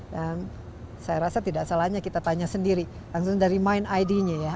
saya rasa tidak salahnya kita tanya sendiri langsung dari mind id nya ya